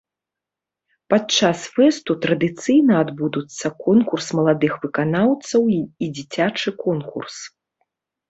Падчас фэсту традыцыйна адбудуцца конкурс маладых выканаўцаў і дзіцячы конкурс.